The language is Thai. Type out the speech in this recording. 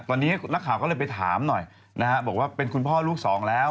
ตอนนี้นักข่าวก็เลยไปถามหน่อยนะฮะบอกว่าเป็นคุณพ่อลูกสองแล้ว